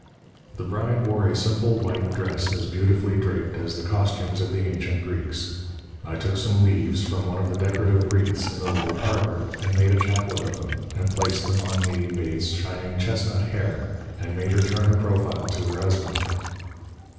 The bride wore a simple white dress as beautifully draped as the costumes of the ancient Greeks. I took some leaves from one of the decorative wreaths in the little parlour, and made a chaplet of them, and placed them on née Bates' shining chestnut hair, and made her turn her profile to her husband.